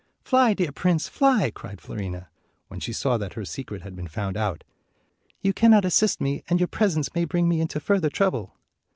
"Fly, dear prince! Fly!" cried Fiorina, when she saw that her secret had been found out. "You cannot assist me, and your presence may bring me into further trouble."